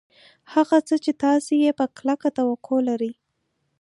هغه څه چې تاسې یې په کلکه توقع لرئ